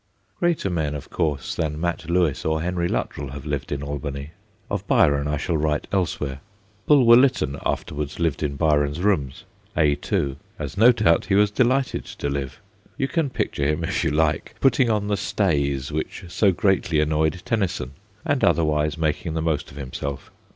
Greater men, of course, than Mat Lewis or Henry Luttrell have lived in Albany. Of Byron I shall write elsewhere. Bulwer Lytton afterwards lived in Byron's rooms, A. 2, as no doubt he was delighted to live. You can picture him, if you like, putting on the stays which so greatly annoyed Tenny son, and otherwise making the most of him self.